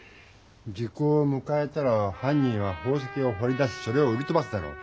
時効をむかえたらはん人は宝石をほり出しそれを売りとばすだろう。